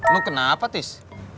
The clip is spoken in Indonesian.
lu kenapa tis